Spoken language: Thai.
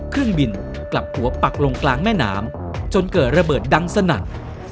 เครื่องบินกลับหัวปักลงกลางแม่น้ำจนเกิดระเบิดดังสนั่น